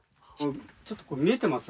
ちょっと見えてますが